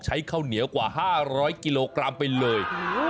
ข้าวเหนียวกว่า๕๐๐กิโลกรัมไปเลย